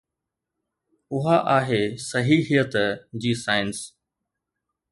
اها آهي صحيحيت جي سائنس.